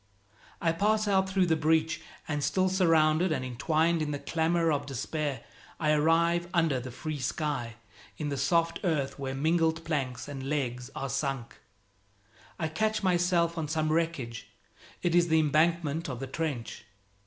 I pass out through the breach; and still surrounded and entwined in the clamor of despair, I arrive under the free sky, in the soft earth where mingled planks and legs are sunk. I catch myself on some wreckage; it is the embankment of the trench.